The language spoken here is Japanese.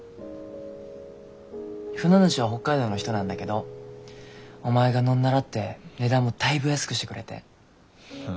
船主は北海道の人なんだけどお前が乗んならって値段もだいぶ安くしてくれて。